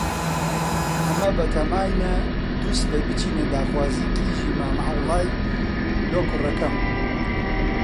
ئەمە بەتاماینە دووسبەی بچینە داخوازیی کیژی مام عەوڵای لۆ کوڕەکەم.